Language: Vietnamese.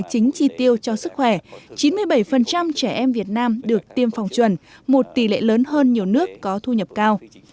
trong đó có các mục tiêu về tài chính chi tiêu cho sức khỏe chín mươi bảy trẻ em việt nam được tiêm phòng chuẩn một tỷ lệ lớn hơn nhiều nước có thu nhập cao